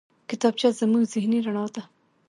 کتابچه زموږ ذهني رڼا ده